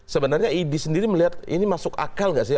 sebenarnya di sendiri melihat ini masuk akal nggak sih